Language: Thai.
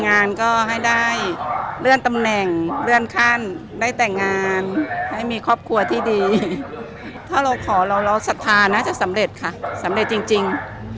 งานก็ให้ได้เลื่อนตำแหน่งเลื่อนขั้นได้แต่งงานให้มีครอบครัวที่ดีถ้าเราขอเราเราศรัทธาน่าจะสำเร็จค่ะสำเร็จจริง